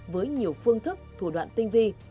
với nhiều phương thức thủ đoạn tinh vi